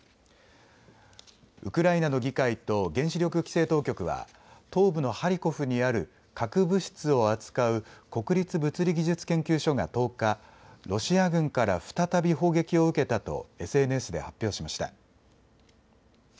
ウクライナの議会と原子力規制当局は東部のハリコフにある核物質を扱う国立物理技術研究所が１０日、ロシア軍から再び砲撃を受けたとＳＮＳで発表しました。